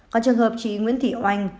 còn trường hợp chị nguyễn thị oanh